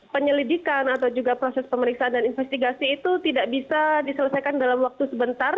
penyelidikan atau juga proses pemeriksaan dan investigasi itu tidak bisa diselesaikan dalam waktu sebentar